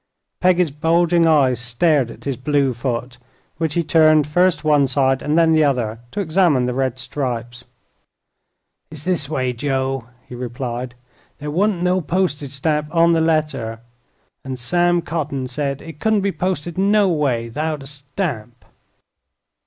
Peggy's bulging eyes stared at his blue foot, which he turned first one side and then the other to examine the red stripes. "It's this way, Joe," he replied; "there wa'n't no postige stamp on the letter, an' Sam Cotting said it couldn't be posted no way 'thout a stamp."